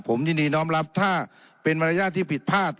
ผมยินดีน้องรับถ้าเป็นมารยาทที่ผิดพลาด